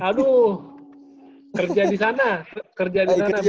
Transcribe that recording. aduh kerja di sana